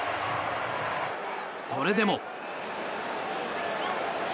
それでも。